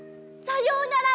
さようなら